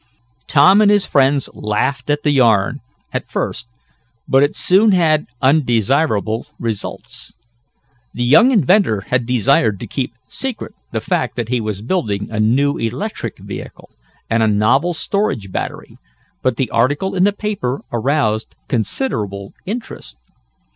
Tom and his friends laughed at the yarn, at first, but it soon had undesirable results. The young inventor had desired to keep secret the fact that he was building a new electric vehicle, and a novel storage battery, but the article in the paper aroused considerable interest.